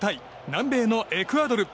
南米のエクアドル。